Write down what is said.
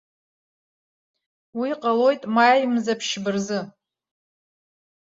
Уи ҟалоит маи мза ԥшьба рзы.